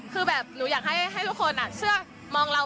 คือแบบหนูอยากให้ทุกคนเชื่อมองเรา